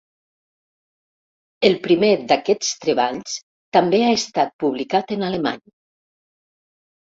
El primer d'aquests treballs també ha estat publicat en alemany.